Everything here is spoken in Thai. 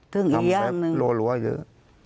นั่นแค่ร่วงหลัวอยู่